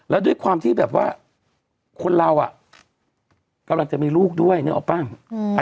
แล้วด้วยความที่แบบว่าคนเรากำลังจะมีลูกด้วยนึกออกป่ะ